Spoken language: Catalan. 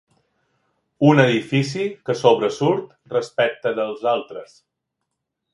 Un edifici que sobresurt respecte dels altres.